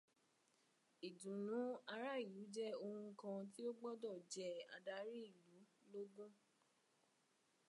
Ìdùnnú ará ilú jẹ́ ohun kan tí ó gbọ́dọ̀ jẹ adarí ìlú lógún.